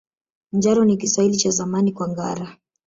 Njaro ni Kiswahili cha Zamani kwa ngara